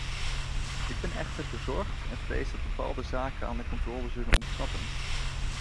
Ik ben echter bezorgd en vrees dat bepaalde zaken aan de controle zullen ontsnappen.